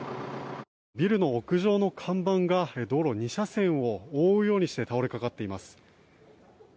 ビルの屋上の看板が道路２車線を覆うようにして倒れかかっています。